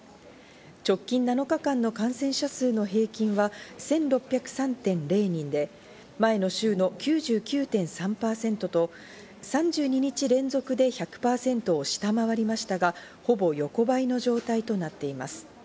直近７日間の感染者数の平均は１６０３．０人で、前の週の９９．３％と３２日連続で１００％を下回りましたが、ほぼ横ばいの状態となっています。